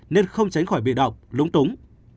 nên không tránh khỏi bị động lúng túng